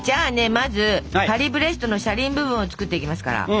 まずパリブレストの車輪部分を作っていきますから。